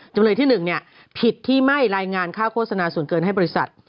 จำเลยที่๑ผิดที่ไม่รายงานค่าโฆษณาส่วนเกินให้บริษัท